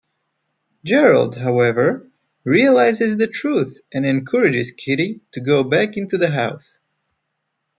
Gerald, however, realises the truth and encourages Kitty to go back into the house.